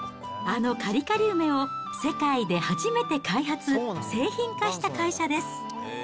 あのカリカリ梅を世界で初めて開発、製品化した会社です。